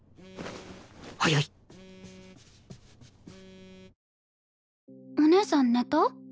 早いっ！お姉さん寝た？